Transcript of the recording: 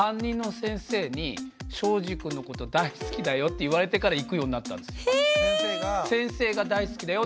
先生が「大好きだよ」って言ってくれたから行くようになったんですよ。